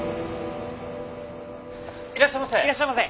いらっしゃいませ！